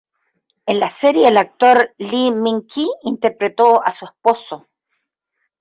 En la serie el actor Lee Min-ki interpretó a su esposo.